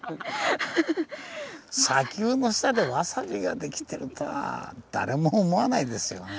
砂丘の下でワサビが出来てるとは誰も思わないですよね。